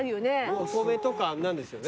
お米とかなんですよね。